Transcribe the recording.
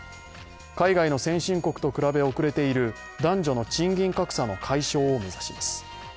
海外の先進国と比べ遅れている男女の賃金格差の解消を目指します。